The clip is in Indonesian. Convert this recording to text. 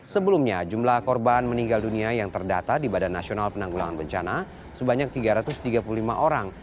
sebelumnya jumlah korban meninggal dunia yang terdata di badan nasional penanggulangan bencana sebanyak tiga ratus tiga puluh lima orang